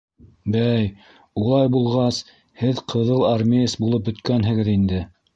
— Бәй, улай булғас, һеҙ ҡыҙыл армеец булып бөткәнһегеҙ инде.